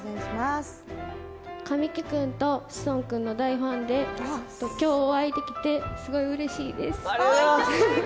神木君と志尊君の大ファンで今日はお会いできてすごいうれしいです。